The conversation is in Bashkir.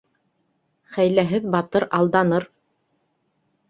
Хәйләһеҙ батыр алданыр.